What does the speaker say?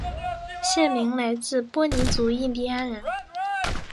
县名来自波尼族印第安人。